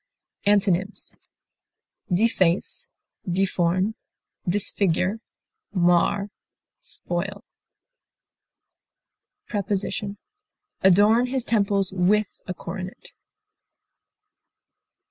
Antonyms: deface, deform, disfigure, mar, spoil. Preposition: Adorn his temples with a coronet.